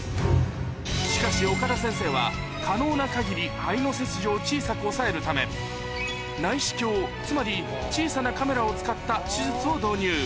しかし岡田先生は可能な限り肺の切除を小さく抑えるため内視鏡つまり小さなカメラを使った手術を導入